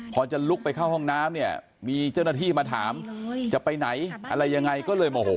พอจะลุกไปเข้าห้องน้ำเนี่ยมีเจ้าหน้าที่มาถามจะไปไหนอะไรยังไงก็เลยโมโห